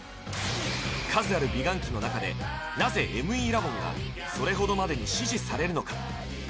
数ある美顔器の中でなぜＭＥラボンがそれほどまでに支持されるのか